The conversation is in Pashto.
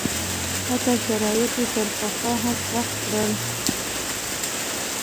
حتی شرایط یې تر پخوا هم سخت کړل.